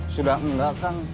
sudah enggak kang